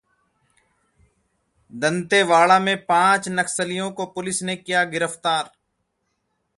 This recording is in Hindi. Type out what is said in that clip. दंतेवाड़ा में पांच नक्सलियों को पुलिस ने किया गिरफ्तार